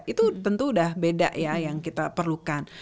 itu tentu udah beda ya yang kita perlukan